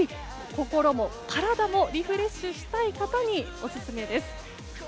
心も体もリフレッシュしたい方にオススメです。